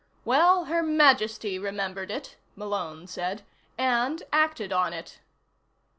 "Well, Her Majesty remembered it," Malone said. "And acted on it."